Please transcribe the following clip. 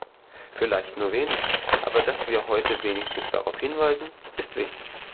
Vielleicht nur wenig, aber dass wir heute wenigstens darauf hinweisen, ist wichtig.